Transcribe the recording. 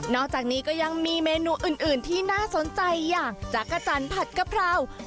อกจากนี้ก็ยังมีเมนูอื่นที่น่าสนใจอย่างจักรจันทร์ผัดกะเพรา